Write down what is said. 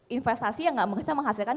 investasi yang gak menghasilkan